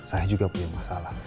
saya juga punya masalah